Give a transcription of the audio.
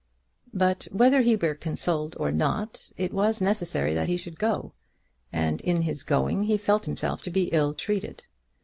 But whether he were consoled or not, it was necessary that he should go, and in his going he felt himself to be ill treated.